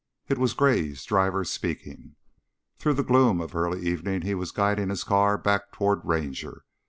It was Gray's driver speaking. Through the gloom of early evening he was guiding his car back toward Ranger.